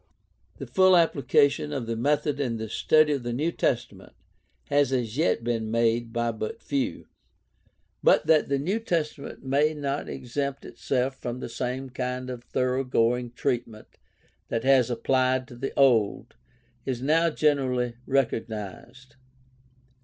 The full application of the method in the study of the New Testa ment has as yet been made by but few. But that the New Testament may not exempt itself from the same kind of thoroughgoing treatment that has been applied to the Old is now generally recognized.